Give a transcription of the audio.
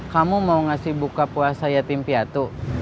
kamu mau ngasih buka puasa yatim piatu